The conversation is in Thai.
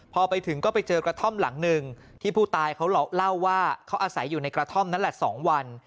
พอไปถึงก็ไปเจอกระท่อมหลังหนึ่งที่ผู้ตายเขาเล่าว่าเขาอาศัยอยู่ในกระท่อมนั่นแหละ๒วัน